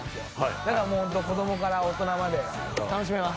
だから子供から大人まで楽しめます。